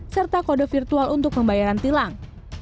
serta kode virtual untuk pembayaran tilang